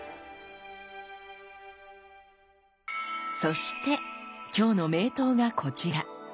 そしてきょうの名刀がこちら。